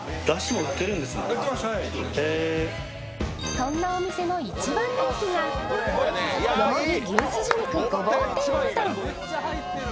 そんなお店の一番人気がよもぎ牛すじ肉ごぼう天うどん。